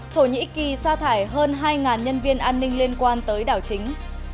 thổ nhĩ kỳ xa thải hơn hai nhân viên an ninh liên quan tới đảo chính